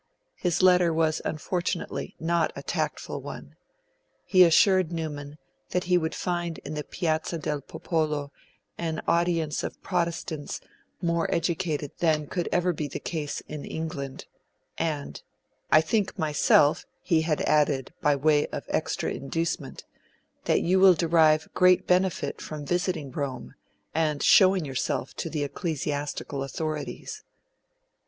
His letter was unfortunately not a tactful one. He assured Newman that he would find in the Piazza del Popolo 'an audience of Protestants more educated than could ever be the case in England', and 'I think myself,' he had added by way of extra inducement, 'that you will derive great benefit from visiting Rome, and showing yourself to the Ecclesiastical Authorities.'